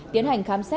tiến hành khám xét